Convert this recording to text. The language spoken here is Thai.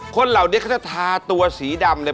คนเหล่านี้เขาจะทาตัวสีดำเลย